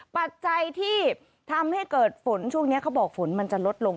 ปัจจัยที่ทำให้เกิดฝนช่วงนี้เขาบอกฝนมันจะลดลง